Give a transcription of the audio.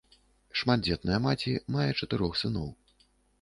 Шматдзетная маці, мае чатырох сыноў.